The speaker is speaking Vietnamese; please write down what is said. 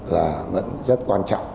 là vẫn rất quan trọng